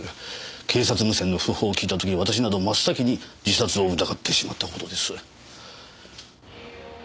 警察無線の訃報を聞いた時私など真っ先に自殺を疑ってしまったほどです。